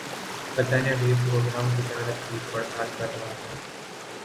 برطانیہ بھِی پروگرام تجارت کی پڑتال کر رہا ہے